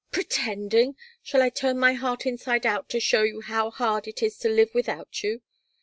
"Pretending! Shall I turn my heart inside out to show you how hard it is to live without you?